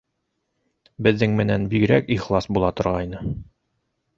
Беҙҙең менән бигерәк ихлас була торғайны.